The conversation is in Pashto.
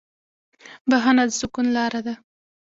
بښنه د سکون لاره ده.